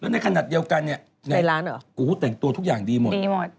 แล้วในขณะเดียวกันเนี่ยกูแต่งตัวทุกอย่างดีหมด